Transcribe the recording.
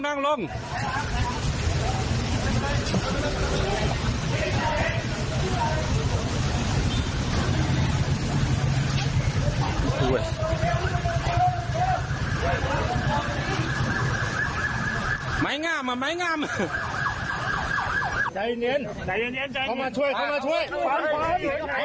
ดูอย่างนี้เดียวมาว่ามันเล่าไม่รู้ด้วย